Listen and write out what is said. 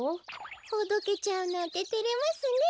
ほどけちゃうなんててれますね。